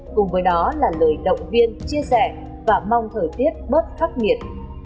cùng với đó là lời động viên chia sẻ và mong thời tiết bớt khắc nghiệt